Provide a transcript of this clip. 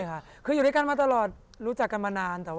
ค่ะคืออยู่ด้วยกันมาตลอดรู้จักกันมานานแต่ว่า